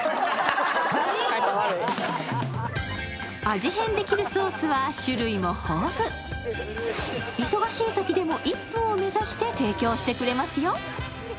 味変できるソースは、種類も豊富忙しいときでも１分を目指して提供してくれますよ。